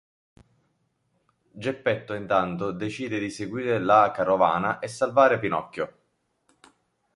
Geppetto, intanto, decide di seguire la carovana e salvare Pinocchio.